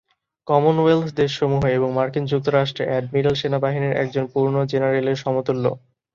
Commonwealth দেশসমূহ এবং মার্কিন যুক্তরাষ্ট্রে অ্যাডমিরাল সেনাবাহিনীর একজন "পূর্ণ" জেনারেলের সমতুল্য।